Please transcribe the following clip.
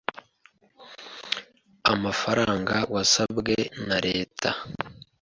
amafaranga wasabwe na Leta